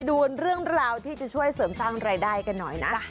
ดูเรื่องราวที่จะช่วยเสริมสร้างรายได้กันหน่อยนะ